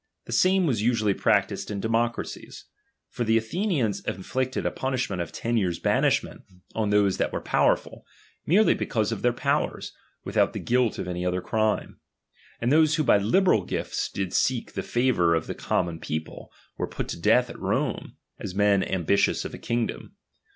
The same was usually practised in demo cracies. For the Athenians inflicted a punishment often years' banishment ou those that were power ful, merely because of their powers, without the guilt of any other crime. And those who by liberal gifts did seek the favour of the common people, were put to death at Rome, as men ambi tious of a kingdom.